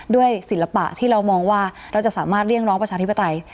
ศิลปะที่เรามองว่าเราจะสามารถเรียกร้องประชาธิปไตย